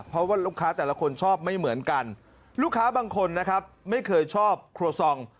เพราะว่าลูกค้าแต่ละคนชอบไม่เหมือนกันลูกค้าบางคนนะครับไม่เคยชอบครัวซอง